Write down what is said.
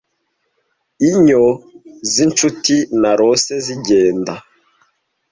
inyo zinshuti narose zigenda